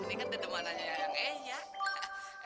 ini kan dedemanannya ayang eyak